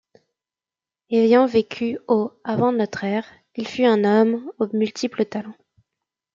Ayant vécu au avant notre ère, il fut un homme aux multiples talents.